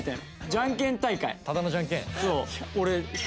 じゃんけん大会。